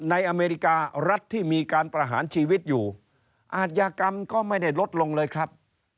อเมริการัฐที่มีการประหารชีวิตอยู่อาจยากรรมก็ไม่ได้ลดลงเลยครับ